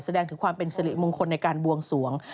แสดงถึงความเป็นสิริมงคลในการบวงสวง